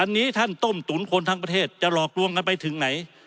อันนี้ท่านต้มตุ๋นคนทั้งประเทศจะหลอกลวงกันไปถึงไหน